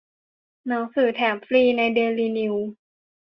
หนังสือแถมฟรีในเดลินิวส์